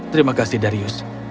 terima kasih darius